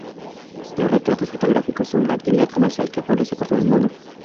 Los retratos fotográficos son una actividad comercial que florece por todo el mundo.